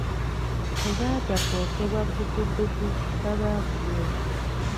Tebaatya kwokebwa bbugubugu ba baabuwe.